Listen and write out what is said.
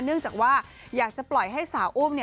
เนื่องจากว่าอยากจะปล่อยให้สาวอุ้ม